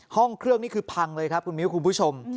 ห้องเครื่องนี่คือพังเลยครับคุณมิ้วคุณผู้ชม